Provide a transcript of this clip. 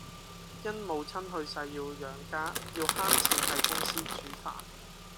因母親去世要養家，要慳錢喺公司煮飯